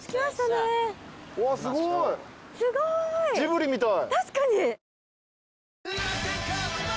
うわすごいジブリみたい。